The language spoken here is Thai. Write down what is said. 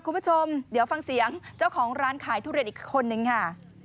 คุณผู้ชมเดี๋ยวฟังเสียงเจ้าของร้านขายทุเรียนอีกคนนึงค่ะ